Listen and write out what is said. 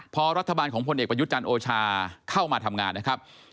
พอรัฐบาลของพลเอกประยุทธ์จันทร์โอชาเข้ามาทำงานนะครับ